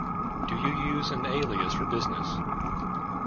Do you use an alias for business?